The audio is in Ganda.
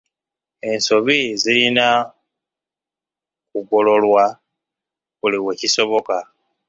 Ensobi zirina okugololwa buli we kisoboka.